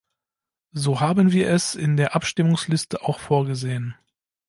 So haben wir es in der Abstimmungsliste auch vorgesehen.